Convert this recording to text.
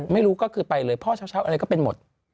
ไม่รู้ก็คือไปเลยพ่อเช้าอะไรก็เป็นหมด